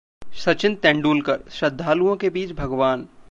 सचिन तेंडुलकर: श्रद्धालुओं के बीच भगवान